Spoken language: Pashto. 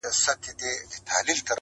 شهنشاه یمه د غرونو زه زمری یم!.